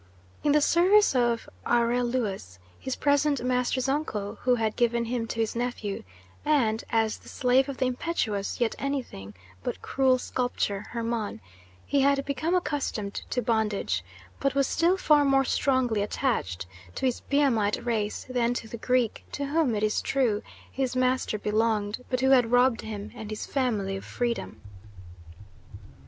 In the service of Areluas, his present master's uncle, who had given him to his nephew, and as the slave of the impetuous yet anything but cruel sculptor, Hermon, he had become accustomed to bondage, but was still far more strongly attached to his Biamite race than to the Greek, to whom, it is true, his master belonged, but who had robbed him and his family of freedom.